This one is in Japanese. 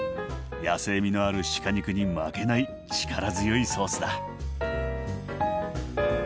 野性味のある鹿肉に負けない力強いソースだ。